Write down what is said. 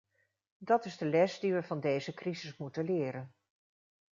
Dat is de les die we van deze crisis moeten leren.